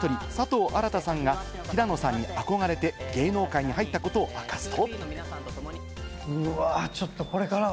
メンバーの１人、佐藤新さんが平野さんに憧れて芸能界に入ったことを明かすと。